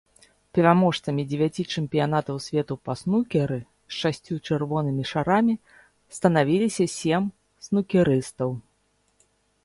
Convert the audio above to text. Пераможцамі дзевяці чэмпіянатаў свету па снукеры з шасцю чырвонымі шарамі станавіліся сем снукерыстаў.